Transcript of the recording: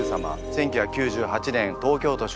１９９８年東京都出身。